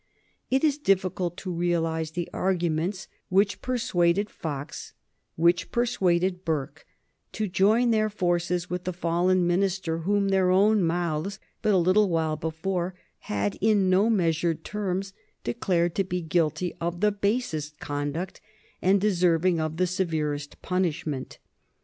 It is difficult to realize the arguments which persuaded Fox, which persuaded Burke, to join their forces with the fallen minister whom their own mouths, but a little while before, had, in no measured terms, declared to be guilty of the basest conduct and deserving of the severest punishment.